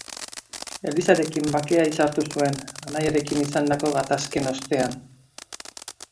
Elizarekin bakea hitzartu zuen, anaiarekin izandako gatazken ostean.